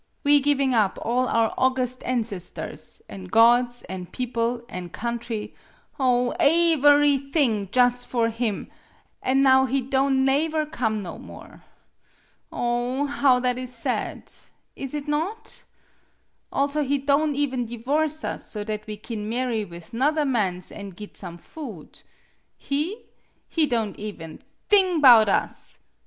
We giving up all MADAME BUTTERFLY 19 our august ancestors, an' gods, an' people, an' country, oh, awerything, jus' for him, an' now he don' naever come no more ! Oh, bow that is sad ! Is it not ? Also, he don' even divorce us, so that we kin marry with 'nother mans an' git some food. He ? He don' even thing 'bout it!